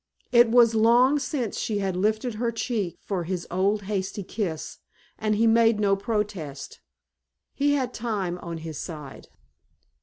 It was long since she had lifted her cheek for his old hasty kiss, and he made no protest. He had time on his side.